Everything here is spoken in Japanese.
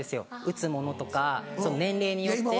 打つものとか年齢によって。